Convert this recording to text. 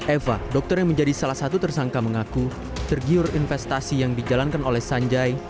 eva dokter yang menjadi salah satu tersangka mengaku tergiur investasi yang dijalankan oleh sanjai